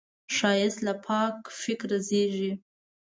ښایست له پاک فکره زېږي